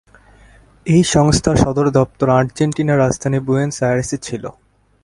এই সংস্থার সদর দপ্তর আর্জেন্টিনার রাজধানী বুয়েনোস আইরেসে ছিল।